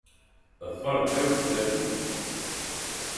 Teffer ddaw tdabut.